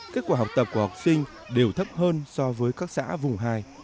kết quả học tập của học sinh đều thấp hơn so với các xã vùng hai